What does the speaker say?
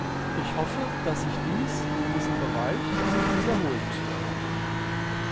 Ich hoffe, dass sich dies in diesem Bereich nicht wiederholt.